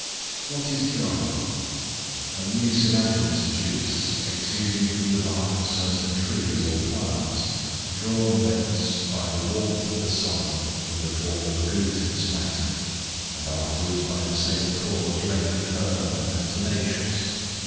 What is Gum? A mucilaginous juice, exuding from the bark of certain trees or plants, drawn thence by the warmth of the sun in the form of a glutinous matter; and afterwards by the same cause rendered firm and tenacious.